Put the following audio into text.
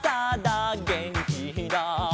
「あさだげんきだ」